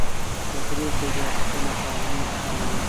د پرېکړې بیاکتنه قانوني امکان لري.